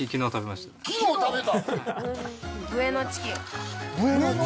昨日食べた！